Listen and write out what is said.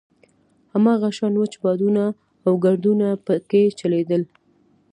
هماغه شان وچ بادونه او ګردونه په کې چلېدل.